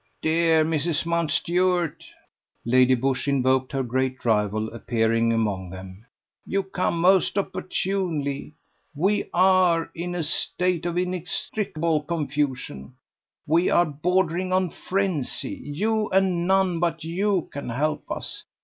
"Dear Mrs. Mountstuart!" Lady Busshe invoked her great rival appearing among them: "You come most opportunely; we are in a state of inextricable confusion: we are bordering on frenzy. You, and none but you, can help us.